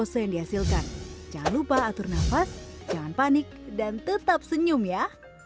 yang dihasilkan jangan lupa atur nafas jangan panik dan tetap senyum ya